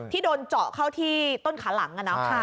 ที่โดนเจาะเข้าที่ต้นขาหลัง